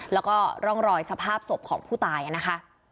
แล้วก็ร่องรอยสภาพศพของผู้ตายนะคะ